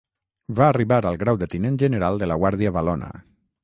Va arribar al grau de tinent general de la Guàrdia Valona.